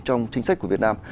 trong chính sách của việt nam